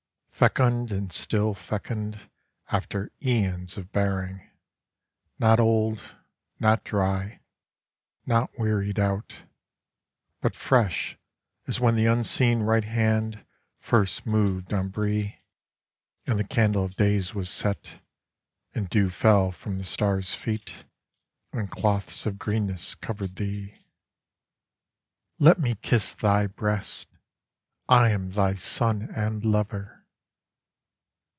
Fecund and still fecundAfter æons of bearing:Not old, not dry, not wearied out; But fresh as when the unseen Right HandFirst moved on Brí, And the candle of day was set, And dew fell from the stars' feet, And cloths of greenness covered thee. Let me kiss thy breasts:I am thy son and lover.